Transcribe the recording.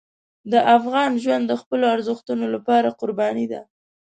د افغان ژوند د خپلو ارزښتونو لپاره قرباني ده.